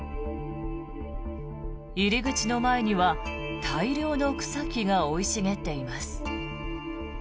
入り口の前には大量の草木が生い茂っています。